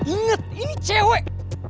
ingat ini cewek